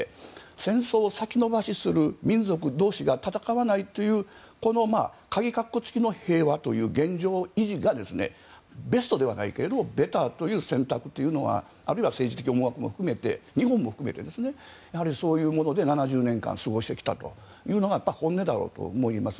戦争を先延ばしする民族同士が戦わないという鍵かっこつきの平和という現状維持がベストではないけれどベターの選択というのが、あるいは政治的思惑、日本も含めてそういうもので７０年間過ごしてきたというのが本音だろうと思います。